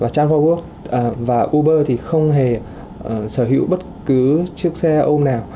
trans bốn work và uber thì không hề sở hữu bất cứ chiếc xe ôm nào